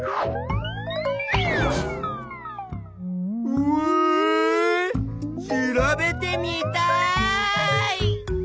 うわ調べてみたい！